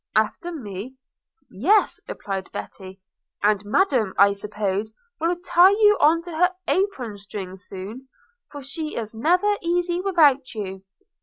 'After me?' 'Yes,' replied Betty. 'And Madam I suppose will tie you on to her apron string soon, for she is never easy without you.